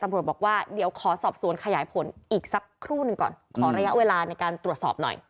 บอกว่าเดี๋ยวขอสอบสวนขยายผลอีกสักครู่หนึ่งก่อนขอระยะเวลาในการตรวจสอบหน่อย